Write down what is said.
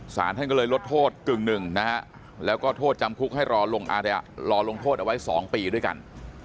สารท่านก็เลยลดโทษกึ่งหนึ่งนะฮะแล้วก็โทษจำคุกให้รอลงโทษเอาไว้๒ปีด้วยกัน